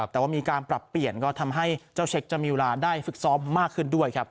แต่ว่ามีการปรับเปลี่ยนก็ทำให้เจ้าเช็คจะมีเวลาได้ฝึกซ้อมมากขึ้นด้วยครับ